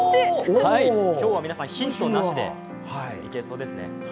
今日は皆さんヒントなしでいけそうですね。